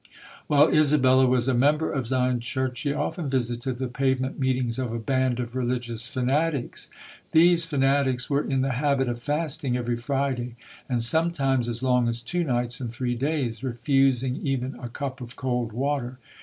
While Isabella was a member of Zion Church she often visited the pavement meetings of a band of religious fanatics. These fanatics were in the habit of fasting every Friday and sometimes as long as two nights and three days, refusing even a cup of cold water.